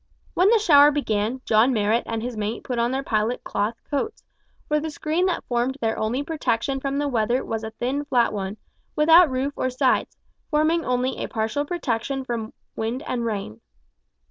When the shower began, John Marrot and his mate put on their pilot cloth coats, for the screen that formed their only protection from the weather was a thin flat one, without roof or sides, forming only a partial protection from wind and rain.